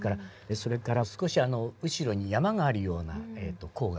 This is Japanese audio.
それから少し後ろに山があるような郊外ですね。